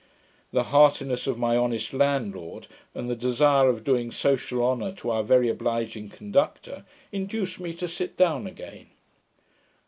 The heartiness of my honest landlord, and the desire of doing social honour to our very obliging conductor, induced me to sit down again.